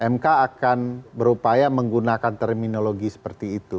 mk akan berupaya menggunakan terminologi seperti itu